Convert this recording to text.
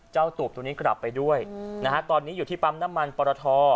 ตูบตัวนี้กลับไปด้วยนะฮะตอนนี้อยู่ที่ปั๊มน้ำมันปรท